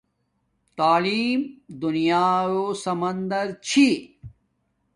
تعلیم دُنیا و سمندر چھی